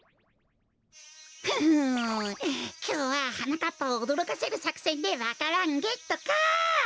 ふふんきょうははなかっぱをおどろかせるさくせんでわか蘭ゲットか！